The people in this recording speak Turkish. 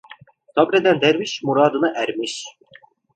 Sabreden derviş muradına ermiş.